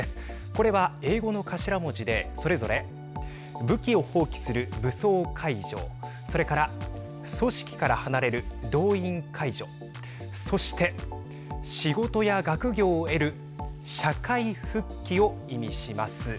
これは英語の頭文字で、それぞれ武器を放棄する武装解除それから組織から離れる動員解除そして仕事や学業を得る社会復帰を意味します。